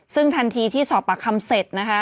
ซึ่งทันทีที่สอบปากคำเสร็จนะคะ